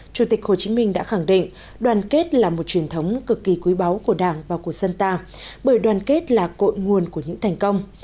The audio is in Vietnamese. chủ tịch hồ chí minh đã khẳng định đoàn kết là một truyền thống cực kỳ quý báu của đảng và của dân ta bởi đoàn kết là cội nguồn của những thành công